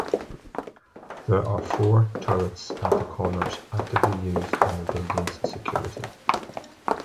There are four turrets at the corners actively used in the building's security.